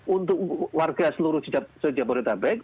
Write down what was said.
untuk warga seluruh jabodetabek